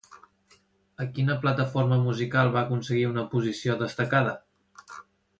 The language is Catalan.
A quina plataforma musical va aconseguir una posició destacada?